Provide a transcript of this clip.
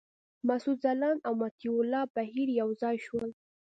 مسعود ځلاند او مطیع الله بهیر یو ځای شول.